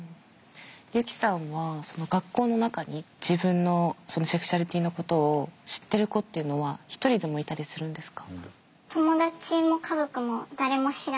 ユキさんは学校の中に自分のセクシュアリティーのことを知ってる子っていうのは一人でもいたりするんですか？